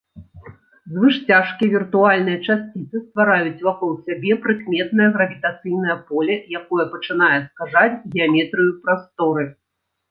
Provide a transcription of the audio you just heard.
Звышцяжкія віртуальныя часціцы ствараюць вакол сябе прыкметнае гравітацыйнае поле, якое пачынае скажаць геаметрыю прасторы.